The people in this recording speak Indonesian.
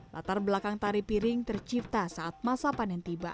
latar belakang tari piring tercipta saat masa panen tiba